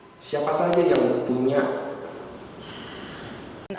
siapa saja yang punya